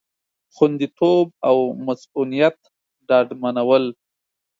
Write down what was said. خوندیتوب او مصئونیت ډاډمنول